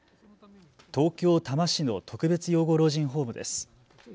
東京多摩市の特別養護老人ホームです。